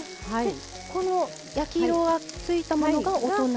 この焼き色がついたものがお隣。